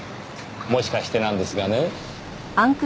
もしかしてなんですがね